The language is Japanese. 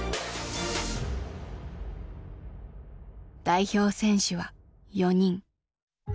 代表選手は４人。